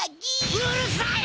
うるさい！